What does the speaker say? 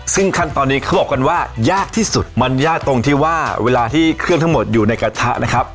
ซึ่งขั้นตอนนี้เขาบอกกันว่ายากที่สุดมันยากตรงที่ว่าเวลาที่เครื่องทั้งหมดอยู่ในกระทะนะครับ